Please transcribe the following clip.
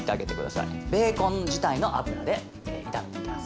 ベーコン自体の脂で炒めていきます。